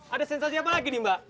ada sensasi apa lagi nih mbak